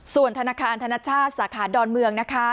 ส่วนธนาคารธนชาติสาขาดอนเมืองนะคะ